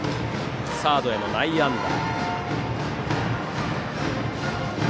サードへの内野安打。